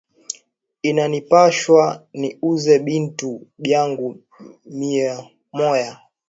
Inani pashwa ni uze bintu byangu miye moya